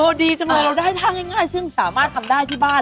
ดีจังเลยเราได้ท่าง่ายซึ่งสามารถทำได้ที่บ้าน